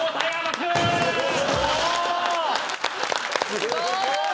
すごーい！